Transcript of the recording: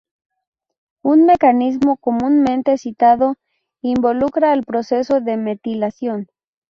Un mecanismo comúnmente citado involucra al proceso de metilación.